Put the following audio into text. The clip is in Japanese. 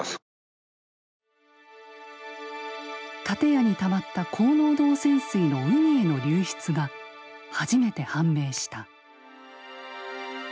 建屋にたまった高濃度汚染水の海への流出が初めて判明した。